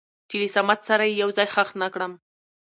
چې له صمد سره يې يو ځاى خښ نه کړم.